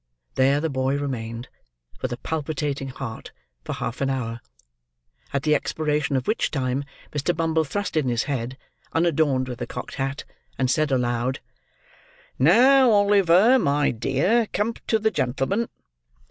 There the boy remained, with a palpitating heart, for half an hour. At the expiration of which time Mr. Bumble thrust in his head, unadorned with the cocked hat, and said aloud: "Now, Oliver, my dear, come to the gentleman."